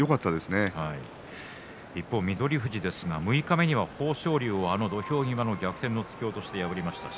一方、翠富士ですが六日目には豊昇龍を土俵際の逆転の突き落としで破りました。